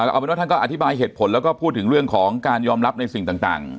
เอาเป็นว่าท่านก็อธิบายเหตุผลแล้วก็พูดถึงเรื่องของการยอมรับในสิ่งต่าง